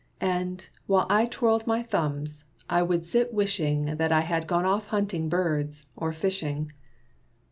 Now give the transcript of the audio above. And, while I twirled my thumbs, I would sit wishing That I had gone off hunting birds, or fishing.